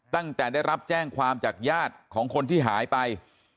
ตั้งแต่ได้รับแจ้งความจากญาติของคนที่หายไป